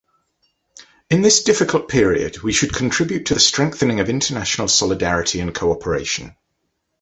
In this difficult period, we should contribute to strengthening of international solidarity and cooperation.